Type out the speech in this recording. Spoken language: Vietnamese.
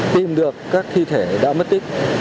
tìm được các thi thể đã mất tích